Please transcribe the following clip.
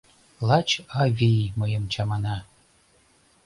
Лач авий мыйым чамана.